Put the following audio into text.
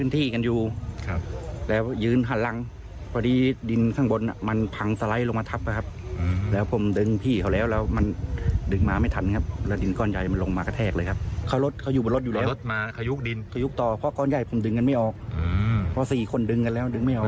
แต่โอ้โหพอตักดินออกเป็นข่าวเศร้าพ่อเห็นลูกเสียชีวิตแล้วนะคะ